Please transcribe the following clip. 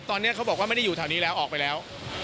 ตอนนี้เขาบอกว่าไม่ได้อยู่แถวนี้แล้วออกไปแล้ว